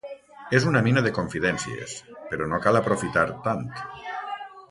És una gran mina de confidències, per no cal aprofitar tant.